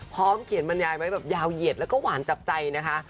พร้อมเขียนบรรยายไว้แบบยาวเหยียดแล้วก็หวานจับใจนะคะ